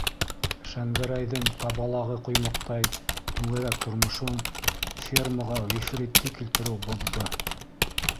Шәңгәрәйҙең табалағы ҡоймаҡтай түңәрәк тормошон фермаға Ғифритте килтереү боҙҙо.